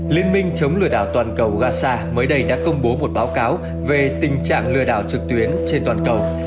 liên minh chống lừa đảo toàn cầu gaza mới đây đã công bố một báo cáo về tình trạng lừa đảo trực tuyến trên toàn cầu